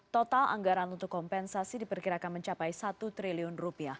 total anggaran untuk kompensasi diperkirakan mencapai rp satu triliun